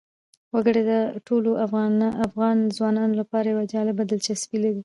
وګړي د ټولو افغان ځوانانو لپاره یوه جالبه دلچسپي لري.